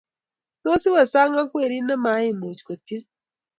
tos iwe sang ak werit nema imuch kotien